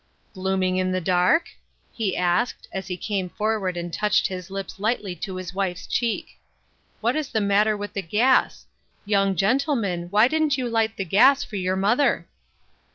" Glooming in the dark ?" he asked, as he came forward and touched his lips lightly to his wife's cheek. " What is the matter with the gas ? Young gentleman, why didn't you light the gas for your mother